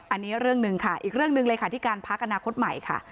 อันนี้เรื่องหนึ่งค่ะอีกเรื่องหนึ่งเลยค่ะที่การพักอนาคตใหม่ค่ะ